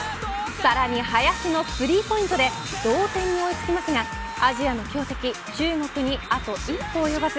さらに林のスリーポイントで同点に追いつきますがアジアの強敵、中国にあと一歩及ばず。